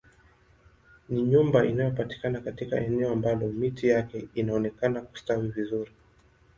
Ni nyumba inayopatikana katika eneo ambalo miti yake inaonekana kustawi vizuri